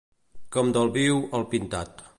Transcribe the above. Com del viu al pintat.